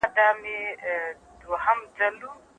اقتصاد پوهانو بېلابېل تعریفونه وړاندې کړي دي.